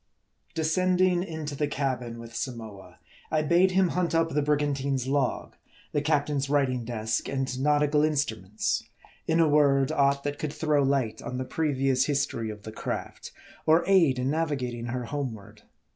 DESCENDING into the cabin with Samoa, I bade him hunt up the brigantine's log, the captain's writing desk, and naut ical instruments ; in a word, aught that could throw light on the previous history of the craft, or aid in navigating her homeward.